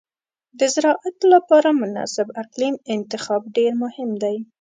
د زراعت لپاره مناسب اقلیم انتخاب ډېر مهم دی.